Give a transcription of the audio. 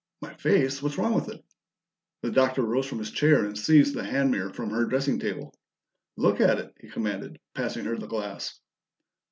"My face? What's wrong with it?" The Doctor rose from his chair and seized the hand mirror from her dressing table. "Look at it!" he commanded, passing her the glass.